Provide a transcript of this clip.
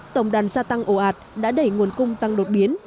tổng đàn gia tăng ồ ạt đã đẩy nguồn cung tăng đột biến